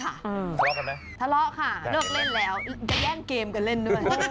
ทะเลาะกันไหมทะเลาะค่ะเลิกเล่นแล้วจะแย่งเกมกันเล่นด้วย